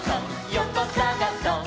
よこさがそっ！」